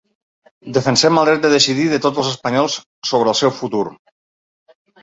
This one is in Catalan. Defensem el dret de decidir de tots els espanyols sobre el seu futur.